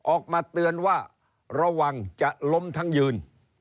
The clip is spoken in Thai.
ออกมาเตือนว่าระวังจะล้มทั้งยืน